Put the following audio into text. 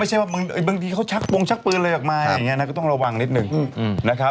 ว่าบางทีเขาชักโปรงชักปืนอะไรออกมาอย่างนี้นะก็ต้องระวังนิดนึงนะครับ